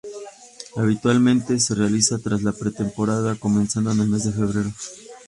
Habitualmente se realiza tras la pretemporada, comenzando en el mes de febrero.